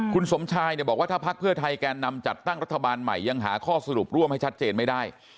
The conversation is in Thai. คุณสมชายเนี่ยบอกว่าถ้าพักเพื่อไทยแกนนำจัดตั้งรัฐบาลใหม่ยังหาข้อสรุปร่วมให้ชัดเจนไม่ได้